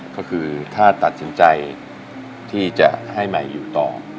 ก็คือถ้าตัดสินใจที่จะให้ใหม่อยู่ต่อ